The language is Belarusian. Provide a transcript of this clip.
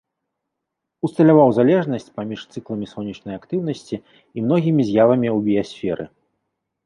Усталяваў залежнасць паміж цыкламі сонечнай актыўнасці і многімі з'явамі ў біясферы.